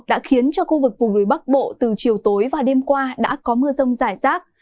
đã khiến cho khu vực vùng núi bắc bộ từ chiều tối và đêm qua đã có mưa rông rải rác